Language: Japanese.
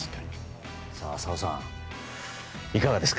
浅尾さん、いかがですか？